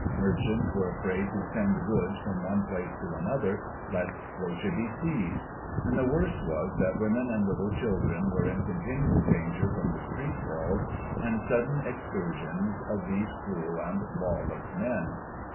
Merchants were afraid to send goods from one place to another, lest they should be seized. And the worst was that women and little children were in continual danger from the street brawls and sudden excursions of these cruel and lawless men.